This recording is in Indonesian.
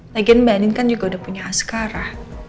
lagi mbak nini kan juga udah punya askara